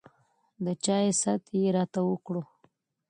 د چاے ست يې راته وکړو